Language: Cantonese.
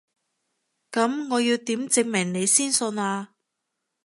噉我要點證明你先信啊？